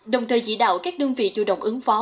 đồng thời dĩ đạo các đơn vị chủ động ứng phó